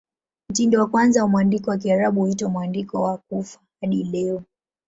Mtindo wa kwanza wa mwandiko wa Kiarabu huitwa "Mwandiko wa Kufa" hadi leo.